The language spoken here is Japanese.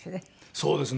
そうですね。